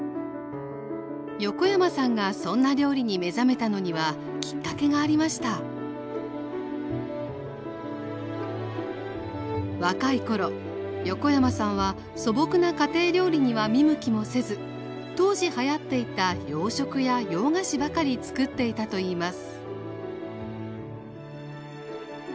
横山さんがそんな料理に目覚めたのにはきっかけがありました若い頃横山さんは素朴な家庭料理には見向きもせず当時はやっていた洋食や洋菓子ばかりつくっていたといいます